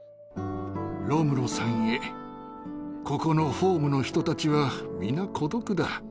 ロムロさんへ、ここのホームの人たちは、皆、孤独だ。